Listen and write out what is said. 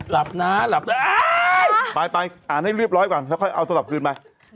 หลับนะหลับได้ไปอ่านให้เรียบร้อยก่อนแล้วค่อยเอาโทรศัพท์คืนไป